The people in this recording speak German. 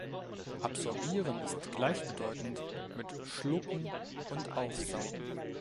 Absorbieren ist gleichbedeutend mit „Schlucken“ und „Aufsaugen“.